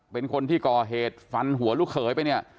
เป็นคนที่ก่อเหตุฟันหัวลูกเขยไปเนี่ย